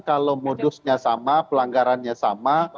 kalau modusnya sama pelanggarannya sama